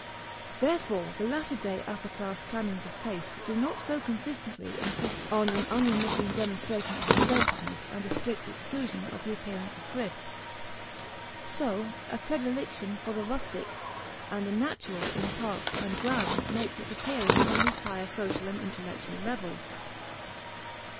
Therefore the latter day upper class canons of taste do not so consistently insist on an unremitting demonstration of expensiveness and a strict exclusion of the appearance of thrift. So, a predilection for the rustic and the "natural" in parks and grounds makes its appearance on these higher social and intellectual levels.